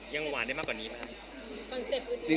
หวานได้มากกว่านี้ไหมครับ